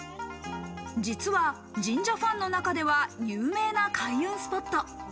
実は、神社ファンの中では有名な開運スポット。